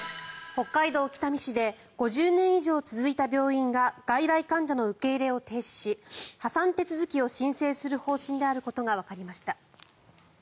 北海道北見市で５０年以上続いた病院が外来患者の受け入れを停止し破産手続きを申請する方針であることがわかりました。